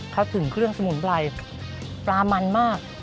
เขาถึงเครื่องสมุนไพรปลามันมาก